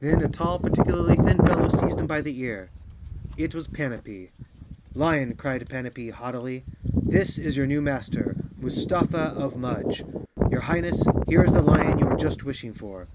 Then a tall, particularly thin fellow seized him by the ear. It was Panapee. "lion," cried Panapee haughtily, "this is your new master, Mustafa of Mudge. Your Highness, here is the lion you were just wishing for!"